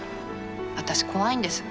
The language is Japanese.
私怖いんです。